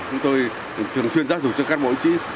chúng tôi thường xuyên giáo dục cho cán bộ chiến sĩ